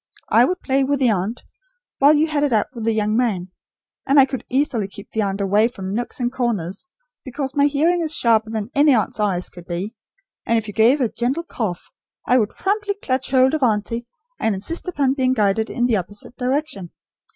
I would play with the aunt, while you had it out with the young man. And I could easily keep the aunt away from nooks and corners, because my hearing is sharper than any aunt's eyes could be, and if you gave a gentle cough, I would promptly clutch hold of auntie, and insist upon being guided in the opposite direction.